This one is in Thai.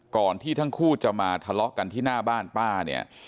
ก่อนที่ทั้งคู่จะมาทะเลาะกันที่หน้าบ้านป้าเนี่ย